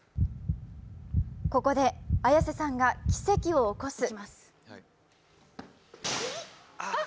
ここで綾瀬さんが奇跡を起こす。